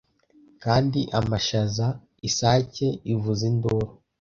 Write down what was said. Kandi amashaza-isake ivuza induru -